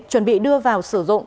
chuẩn bị đưa vào sử dụng